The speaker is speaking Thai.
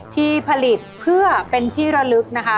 ที่ผลิตเพื่อเป็นที่ระลึกนะคะ